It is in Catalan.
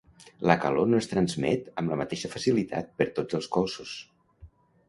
La calor no es transmet amb la mateixa facilitat per tots els cossos.